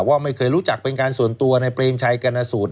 ว่าไม่เคยรู้จักเป็นการส่วนตัวในเปรมชัยกรณสูตร